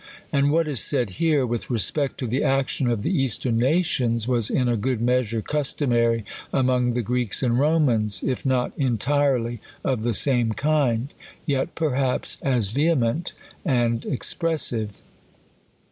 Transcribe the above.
And what is said here, with respect to the action of the eastern nations, was in a good measure customary among the Greeks and Romans 4 if not entirely of the same kind, yet perhaps as vehement and expressive.